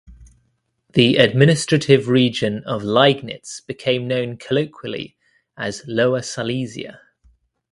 The administrative region of Liegnitz became known colloquially as "Lower Silesia".